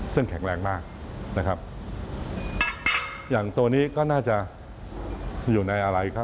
ซึ่งแข็งแรงมากนะครับอย่างตัวนี้ก็น่าจะอยู่ในอะไรครับ